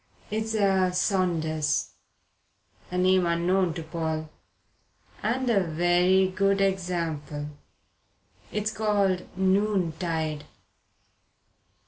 It's a Saunders" a name unknown to Paul "and a very good example. It's called Noontide.